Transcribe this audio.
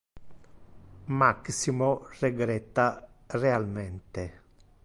Maximo regretta realmente.